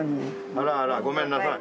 あらあらごめんなさい。